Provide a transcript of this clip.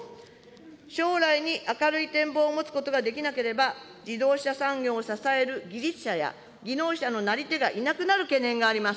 将来に明るい展望を持つことができなければ、自動車産業を支える技術者や、技能者のなり手がいなくなる懸念があります。